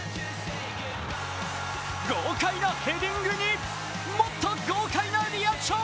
豪快なヘディングにもっと豪快なリアクション。